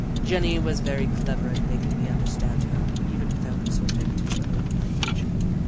Jenny was very clever at making me under stand her, even without resorting to her own language.